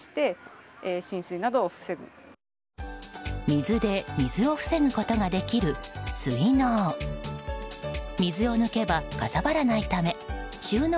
水で水を防ぐことができる水のう。